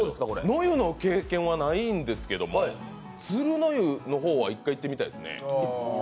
野湯の経験はないんですけども鶴乃湯の方は１回行ってみたいですね。